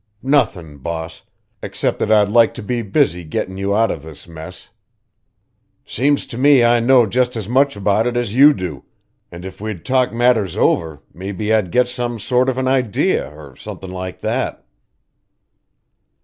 "Nothin', boss, except that I'd like to be busy gettin' you out of this mess. Seems to me I know just as much about it as you do, and if we'd talk matters over, maybe I'd get some sort of an idea, or somethin' like that."